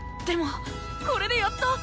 でもこれでやっと！